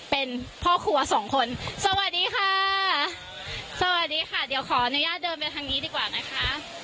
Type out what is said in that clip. เป็นพ่อครัวสองคนสวัสดีค่ะสวัสดีค่ะเดี๋ยวขออนุญาตเดินไปทางนี้ดีกว่านะคะ